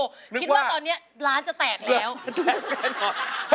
คิดว่าตอนนี้ร้านจะแตกแล้ว